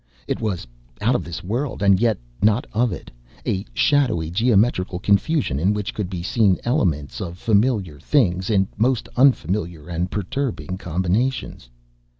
It was of this world, and yet not of it a shadowy geometrical confusion in which could be seen elements of familiar things in most unfamiliar and perturbing combinations.